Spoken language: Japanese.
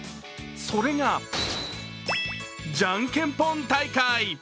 それが、じゃんけんポン大会。